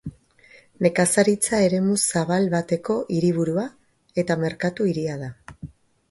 Nekazaritza eremu zabal bateko hiriburua eta merkatu hiria da.